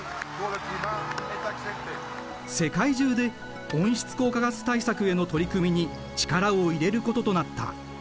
世界中で温室効果ガス対策への取り組みに力を入れることとなった。